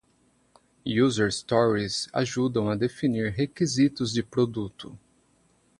User Stories ajudam a definir requisitos de produto.